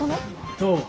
どう？